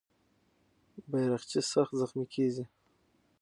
بیرغچی سخت زخمي کېږي.